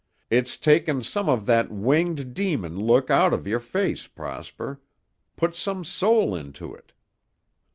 It's taken some of that winged demon look out of your face, Prosper, put some soul into it."